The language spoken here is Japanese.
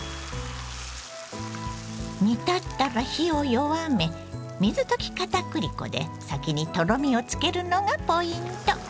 煮立ったら火を弱め水溶きかたくり粉で先にとろみをつけるのがポイント。